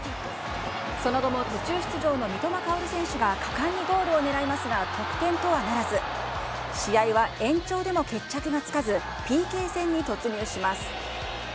その後も途中出場の三笘薫選手が果敢にゴールを狙いますが、得点とはならず、試合は延長でも決着がつかず、ＰＫ戦に突入します。